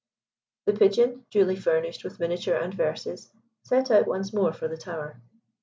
The Pigeon, duly furnished with miniature and verses, set out once more for the tower.